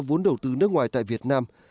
vốn đầu tư nước ngoài tại việt nam